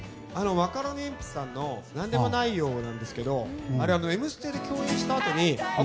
マカロニえんぴつさんの「なんでもないよ、」ですけどあれは「Ｍステ」で共演した時に。